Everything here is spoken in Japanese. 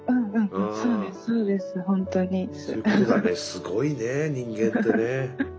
すごいね人間ってね。